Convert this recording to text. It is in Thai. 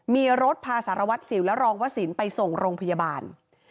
มีรถพาสารวัตรสิวและรองวสินไปส่งโรงพยาบาล